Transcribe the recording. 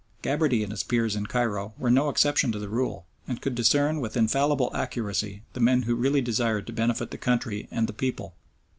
Gabarty and his peers in Cairo were no exception to the rule, and could discern with infallible accuracy the men who really desired to benefit the country and the people.